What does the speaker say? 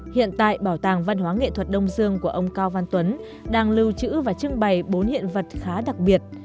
hiện tại bảo tàng văn hóa nghệ thuật đông dương của ông cao văn tuấn đang lưu trữ và trưng bày bốn hiện vật khá đặc biệt